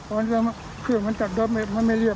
ก่อนที่มันเติมมันจะดับเลยมันไม่เรียบ